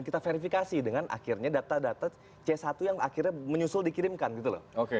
kita verifikasi dengan akhirnya data data c satu yang akhirnya menyusul dikirimkan gitu loh